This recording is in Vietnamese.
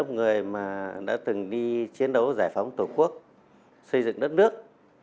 người mà đã từng đi chiến đấu giải phóng tổ quốc xây dựng đất nước